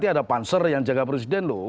ada panser yang jaga presiden loh